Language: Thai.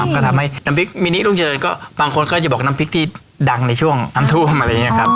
ก็ทำให้น้ำพริกมินิรุ่งเจริญก็บางคนก็จะบอกน้ำพริกที่ดังในช่วงน้ำท่วมอะไรอย่างนี้ครับ